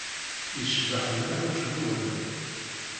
Yecbeḥ mliḥ ucebbub-nnem.